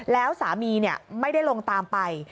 แล้วสามีไม่ได้ลงตามไป